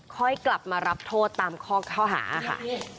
ค่อยกลับมารับโทษตามข้อหาค่ะ